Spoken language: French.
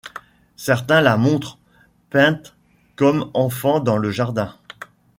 Certains la montrent, peinte comme enfant dans le jardin.